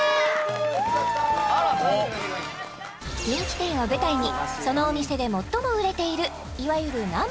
人気店を舞台にそのお店で最も売れているいわゆるＮｏ．１